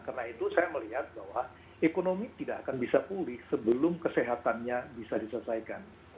karena itu saya melihat bahwa ekonomi tidak akan bisa pulih sebelum kesehatannya bisa diselesaikan